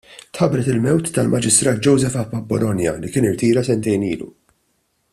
Tħabbret il-mewt tal-Maġistrat Joseph Apap Bologna li kien irtira sentejn ilu.